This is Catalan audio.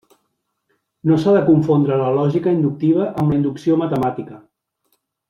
No s'ha de confondre la lògica inductiva amb la inducció matemàtica.